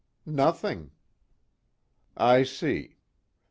"Nothing." "I see.